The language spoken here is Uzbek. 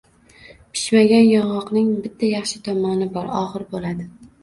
Pishmagan yong‘oqning bitta yaxshi tomoni bor: og‘ir bo‘ladi.